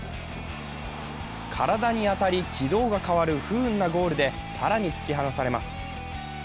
体に当たり、軌道が変わる不運なゴールで更に突き放されます。